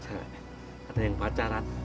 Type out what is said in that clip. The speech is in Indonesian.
ada yang pacaran